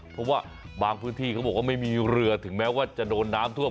เพราะว่าบางพื้นที่เขาบอกว่าไม่มีเรือถึงแม้ว่าจะโดนน้ำท่วม